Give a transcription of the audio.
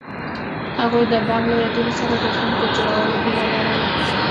هغوی د بام له یادونو سره راتلونکی جوړولو هیله لرله.